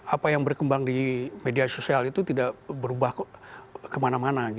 apa yang berkembang di media sosial itu tidak berubah kemana mana